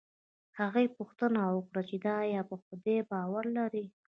هغې پوښتنه وکړه چې ایا په خدای باور لرې